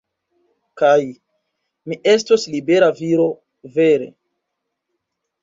Kaj... mi estos libera viro, vere.